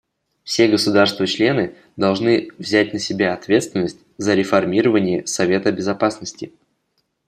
Все государства-члены должны взять на себя ответственность за реформирование Совета Безопасности.